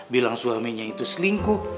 bilang suaminya itu selingkuh